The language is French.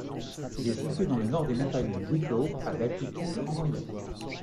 Il est situé dans le nord des montagnes de Wicklow à d'altitude en moyenne.